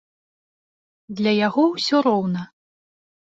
Для яго ўсё роўна.